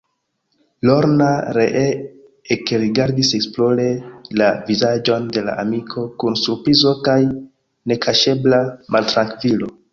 Lorna ree ekrigardis esplore la vizaĝon de la amiko, kun surprizo kaj nekaŝebla maltrankvilo.